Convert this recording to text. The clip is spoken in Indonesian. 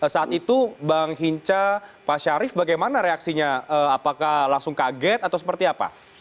saat itu bang hinca pak syarif bagaimana reaksinya apakah langsung kaget atau seperti apa